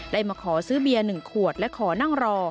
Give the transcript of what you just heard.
ได้มาขอซื้อเบียร์๑ขวดและขอนั่งรอ